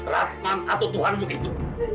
ratman atau tuhanmu itu